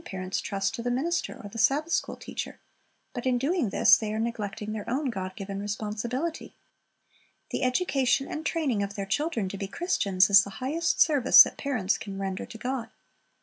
man} parents trust to the minister or the Sabbath school teacher; but in doing this they are neglecting their own God given responsibility. The education and training of their children to be Christians is the highest service that parents can render to God.